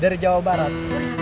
dari jawa barat